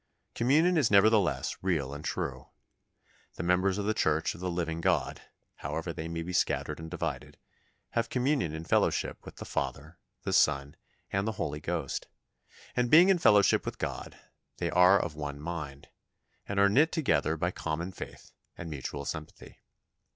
Communion is nevertheless real and true. The members of the Church of the living God, however they may be scattered and divided, have communion and fellowship with the Father, the Son, and the Holy Ghost; and being in fellowship with God, they are of one mind, and are knit together by common faith and mutual sympathy.